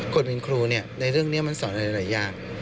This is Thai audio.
คนเป็นครูในเรื่องนี้มันสอนหลายอย่าง